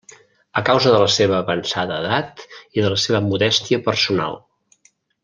A causa de la seva avançada edat i de la seva modèstia personal.